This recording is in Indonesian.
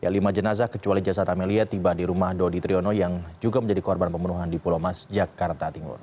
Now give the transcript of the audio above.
lima jenazah kecuali jasad amelia tiba di rumah dodi triyono yang juga menjadi korban pembunuhan di pulau mas jakarta timur